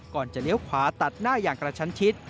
จะเลี้ยวขวาตัดหน้าอย่างกระชั้นชิด